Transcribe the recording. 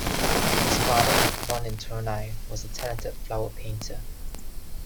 His father, born in Tournai, was a talented flower painter.